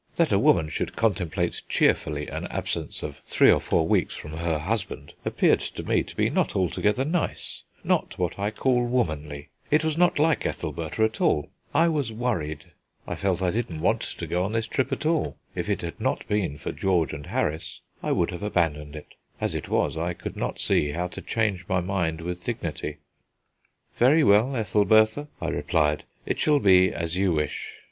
That a woman should contemplate cheerfully an absence of three or four weeks from her husband appeared to me to be not altogether nice, not what I call womanly; it was not like Ethelbertha at all. I was worried, I felt I didn't want to go this trip at all. If it had not been for George and Harris, I would have abandoned it. As it was, I could not see how to change my mind with dignity. "Very well, Ethelbertha," I replied, "it shall be as you wish.